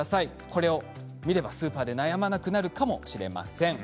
これを見ればスーパーで悩まなくなるかもしれません。